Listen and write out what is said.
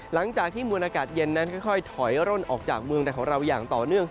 หลังจากที่มวลอากาศเย็นนั้นค่อยถอยร่นออกจากเมืองไทยของเราอย่างต่อเนื่อง